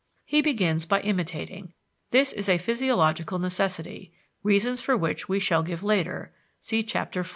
He begins by imitating: this is a physiological necessity, reasons for which we shall give later (see chapter iv.